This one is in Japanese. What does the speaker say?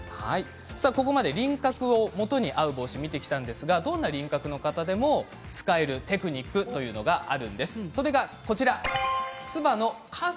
ここまで輪郭に合う帽子を見てきたんですが、どんな輪郭の方でも使えるテクニックというのがあるんです。